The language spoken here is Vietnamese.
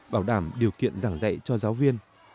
bảo đảm điều kiện giảng dạy cho giáo viên